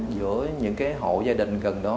giữa những cái hộ gia đình gần đó